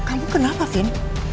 kamu kenapa vin